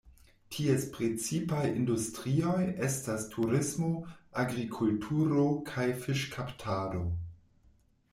Ties precipaj industrioj estas turismo, agrikulturo, kaj fiŝkaptado.